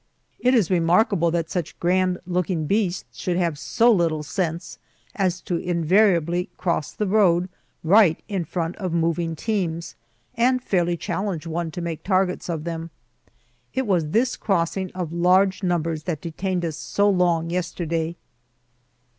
It is remarkable that such grand looking beasts should have so little sense as to invariably cross the road right in front of moving teams, and fairly challenge one to make targets of them. It was this crossing of large numbers that detained us so long yesterday.